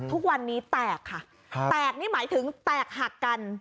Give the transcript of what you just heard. ทุกวันนี้แตกค่ะแตกนี่หมายถึงแตกหักกัน